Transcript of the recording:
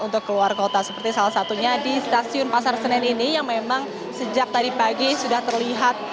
untuk keluar kota seperti salah satunya di stasiun pasar senen ini yang memang sejak tadi pagi sudah terlihat